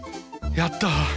やった！